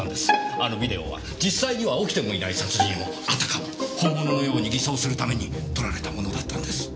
あのビデオは実際には起きてもいない殺人をあたかも本物のように偽装するために撮られたものだったんです。